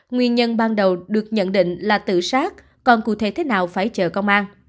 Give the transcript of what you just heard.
nguyên nhân ban đầu được nhận định là tự sát còn cụ thể thế nào phải chờ công an